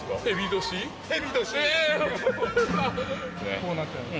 こうなってます。